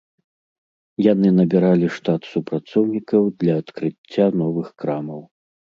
Яны набіралі штат супрацоўнікаў для адкрыцця новых крамаў.